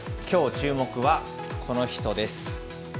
きょう、注目はこの人です。